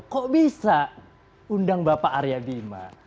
kok bisa undang bapak arya bima